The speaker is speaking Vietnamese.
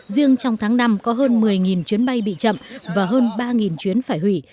riêng trong tháng năm có hơn một mươi chuyến bay bị chậm và hơn ba chuyến phải hủy